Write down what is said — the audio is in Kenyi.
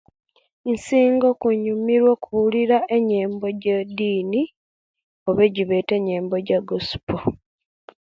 Nsinga okunyumirwa okuulira enyembo je'dini oba ejibeta enyembo Ja gospo